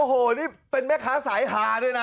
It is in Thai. โอ้โหนี่เป็นแม่ค้าสายฮาด้วยนะ